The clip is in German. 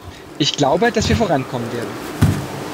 Ich glaube, dass wir vorankommen werden.